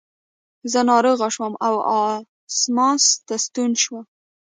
زه ناروغ شوم او اسماس ته ستون شوم.